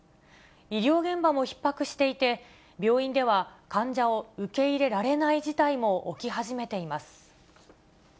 医療現場もひっ迫していて、病院では患者を受け入れられない事態も起き始めています。